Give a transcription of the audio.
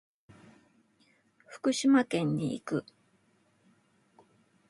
福島県に行く。